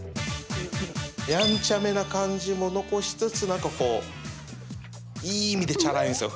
やんちゃめな感じも残しつつ、なんかこういい意味でチャラいんすよ。